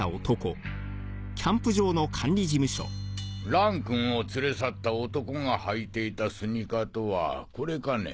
蘭君を連れ去った男が履いていたスニーカーとはこれかね？